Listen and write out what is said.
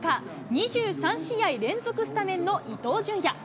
２３試合連続スタメンの伊東純也。